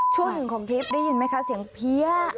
ช่วงหนึ่งของคลิปได้ยินไหมคะเสียงเพี้ย